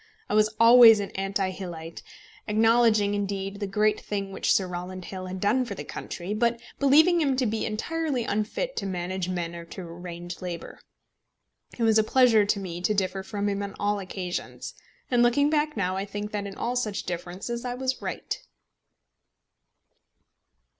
I was always an anti Hillite, acknowledging, indeed, the great thing which Sir Rowland Hill had done for the country, but believing him to be entirely unfit to manage men or to arrange labour. It was a pleasure to me to differ from him on all occasions; and looking back now, I think that in all such differences I was right.